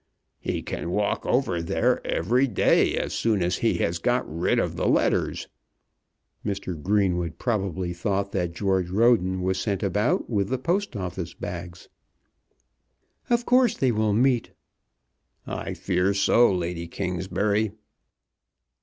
"He can walk over there every day as soon as he has got rid of the letters." Mr. Greenwood probably thought that George Roden was sent about with the Post Office bags. "Of course they will meet." "I fear so, Lady Kingsbury."